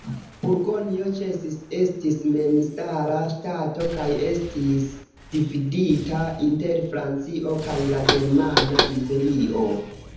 Burgonjo ĉesis esti memstara ŝtato kaj estis dividita inter Francio kaj la germana imperio.